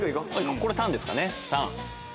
これ、タンですかね、タン。